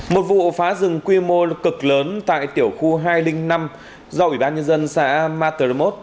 một vụ phá rừng quy mô cực lớn tại tiểu khu hai trăm linh năm do ủy ban nhân dân xã materreot